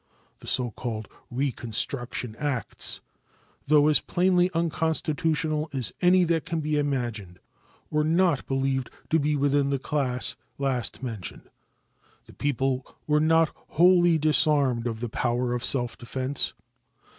The so called reconstruction acts, though as plainly unconstitutional as any that can be imagined, were not believed to be within the class last mentioned. The people were not wholly disarmed of the power of self defense.